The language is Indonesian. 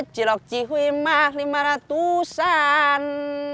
cilok cihui mah lima ratusan